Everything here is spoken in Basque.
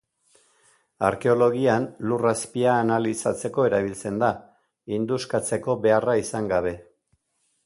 Arkeologian, lur azpia analizatzeko erabiltzen da, induskatzeko beharra izan gabe.